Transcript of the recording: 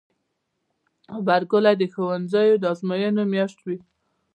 غبرګولی د ښوونځیو د ازموینو میاشت وي.